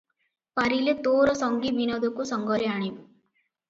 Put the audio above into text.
ପାରିଲେ ତୋର ସଙ୍ଗୀ ବିନୋଦକୁ ସଙ୍ଗରେ ଆଣିବୁ ।